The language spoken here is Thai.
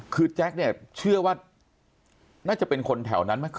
คือแจ๊คนี่เชื่อว่าน่าจะเป็นคนแถวนั้นไหม